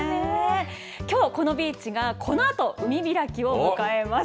きょう、このビーチがこのあと海開きを迎えます。